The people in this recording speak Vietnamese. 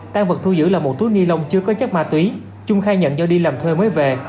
tan vật thu giữ là một túi ni lông chưa có chất ma túy trung khai nhận do đi làm thuê mới về